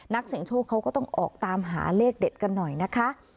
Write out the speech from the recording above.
นักเสียงโชคเขาก็ต้องออกตามหาเลขเด็ดกันหน่อยนะคะ